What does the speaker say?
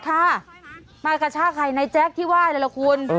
ค่ะมากระชากใครไนท์แจ็คที่ว่าหรือละคุณ